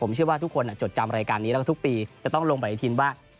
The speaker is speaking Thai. เชื่อว่าทุกคนจดจำรายการนี้แล้วก็ทุกปีจะต้องลงไปอีกทีว่า